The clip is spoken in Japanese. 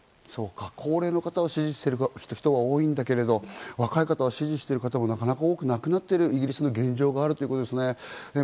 高齢の方は支持してる人が多いんだけど若い方は支持している方もなかなか多くなくなっているイギリスの現状があるということですね。